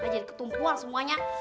jadi ketumpuan semuanya